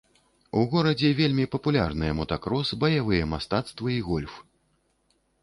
У горадзе вельмі папулярныя мотакрос, баявыя мастацтвы і гольф.